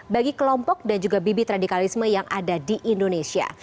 bagi kelompok dan juga bibit radikalisme yang ada di indonesia